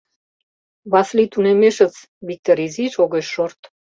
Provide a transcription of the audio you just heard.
— Васли тунемешыс, — Виктор изиш огеш шорт.